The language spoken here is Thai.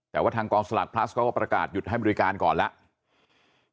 แต่ว่าทางกองสลากพลัสเขาก็ประกาศหยุดให้บริการก่อนแล้ว